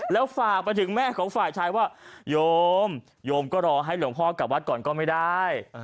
แล้วฝากไปถึงแม่ของฝ่ายชายว่าโยมโยมก็รอให้หลวงพ่อกลับวัดก่อนก็ไม่ได้